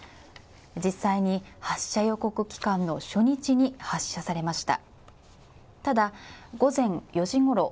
実際に発射予告期間の初日に発射されました。